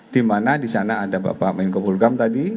dimana disana ada bapak menko pulkam tadi